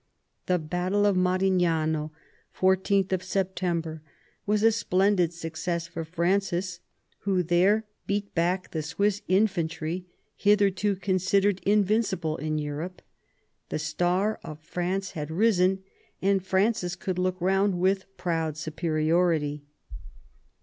The battle of Mar ignano (14th September) was a splendid success for Francis, who there beat back the Swiss infantry, hitherto considered invincible in Europe. The star of France had risen, and. Francis could look round with proud superiority.